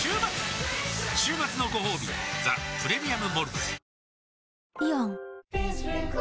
週末のごほうび「ザ・プレミアム・モルツ」